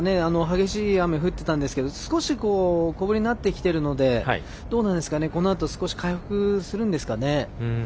激しい雨が降ってたんですが少し、小降りになってきてるのでこのあと、少し回復するんですかね。